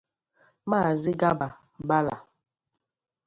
Maazị Garba Bala